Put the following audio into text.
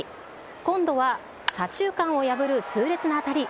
今度は左中間を破る痛烈な当たり。